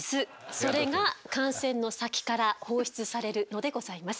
それが汗腺の先から放出されるのでございます。